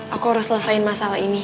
aku harus selesaiin masalah ini